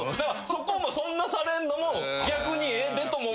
そこもそんなされんのも逆にええでとも。